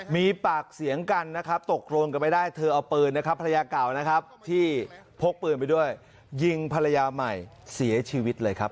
มีปากเสียงกันนะครับตกโรนกันไม่ได้เธอเอาปืนนะครับภรรยาเก่านะครับที่พกปืนไปด้วยยิงภรรยาใหม่เสียชีวิตเลยครับ